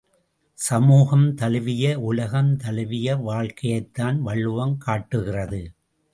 சமூகம் தழுவிய உலகந்தழுவிய வாழ்க்கையைத்தான் வள்ளுவம் காட்டுகிறது.